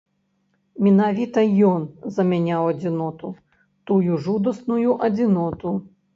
Менавіта ён замяняў адзіноту, тую жудасную адзіноту.